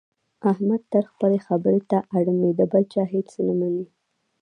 احمد تل خپلې خبرې ته اړم وي، د بل چا هېڅ نه مني.